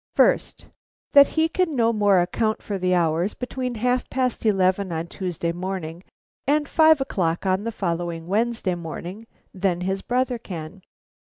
"First: "That he can no more account for the hours between half past eleven on Tuesday morning and five o'clock on the following Wednesday morning than his brother can.